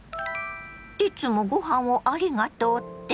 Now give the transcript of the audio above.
いつもごはんをありがとうって？